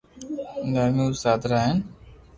درھمي استاد را ھين